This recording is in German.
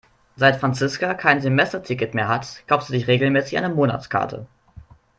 Seit Franziska kein Semesterticket mehr hat, kauft sie sich regelmäßig eine Monatskarte.